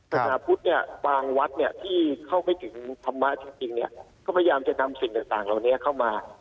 ศาสนาพุทธเนี่ยบางวัดที่เข้าไปถึงธรรมะจริงก็พยายามจะทำสิ่งต่างเหล่านี้เข้ามา